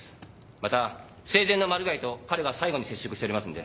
また生前のマルガイと彼が最後に接触しておりますので。